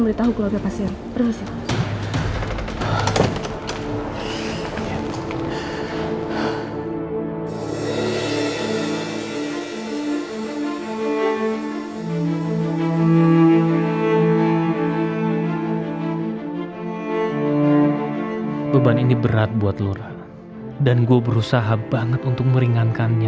beritahu keluarga pasien berusaha beban ini berat buat lur dan gue berusaha banget untuk meringankannya